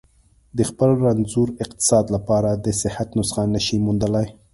د خپل رنځور اقتصاد لپاره د صحت نسخه نه شي موندلای.